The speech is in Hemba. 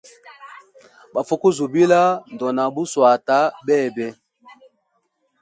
Bafʼukuzibila, ndona buswata bebe.